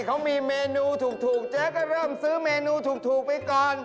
เขามีเมนูถูกเจ๊ก็เริ่มซื้อเมนูถูกไปก่อน